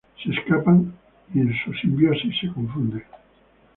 Se escapan, y en su simbiosis se confunden.